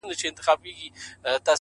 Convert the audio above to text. زه وايم راسه شعر به وليكو”